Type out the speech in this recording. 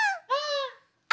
「あ！」。